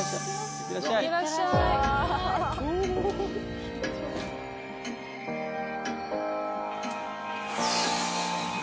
・いってらっしゃい・ふぅ。